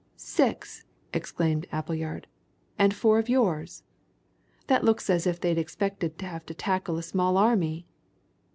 "Six!" exclaimed Appleyard. "And four of yours! That looks as if they expected to have to tackle a small army!"